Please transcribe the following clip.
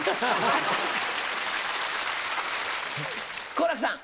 好楽さん。